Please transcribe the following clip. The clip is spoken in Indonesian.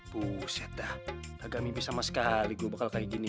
buset dah agak mimpi sama sekali gue bakal kaya gini